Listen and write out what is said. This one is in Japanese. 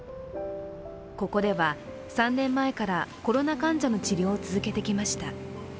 ここでは３年前からコロナ患者の治療を続けてきました。